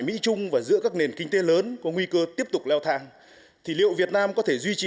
mỹ trung và giữa các nền kinh tế lớn có nguy cơ tiếp tục leo thang thì liệu việt nam có thể duy trì